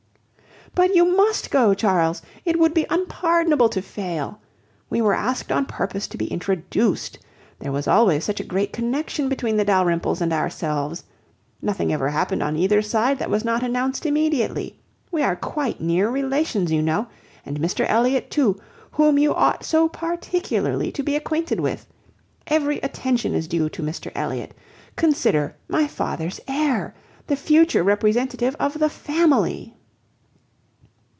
"But you must go, Charles. It would be unpardonable to fail. We were asked on purpose to be introduced. There was always such a great connexion between the Dalrymples and ourselves. Nothing ever happened on either side that was not announced immediately. We are quite near relations, you know; and Mr Elliot too, whom you ought so particularly to be acquainted with! Every attention is due to Mr Elliot. Consider, my father's heir: the future representative of the family."